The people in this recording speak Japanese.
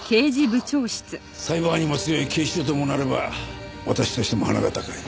サイバーにも強い警視庁ともなれば私としても鼻が高い。